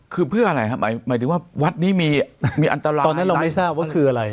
คือเพื่ออะไรครับหมายถึงว่าวัดนี้มีอันตรายอะไร